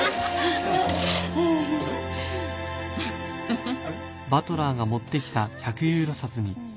フフフフ。